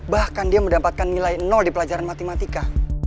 bahkan dia mendapatkan nilai nol di pelajaran matematika